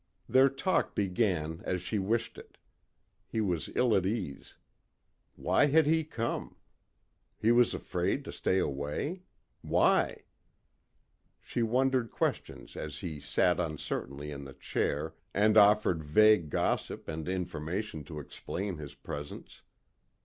Their talk began as she wished it. He was ill at ease. Why had he come? He was afraid to stay away? Why? She wondered questions as he sat uncertainly in the chair and offered vague gossip and information to explain his presence.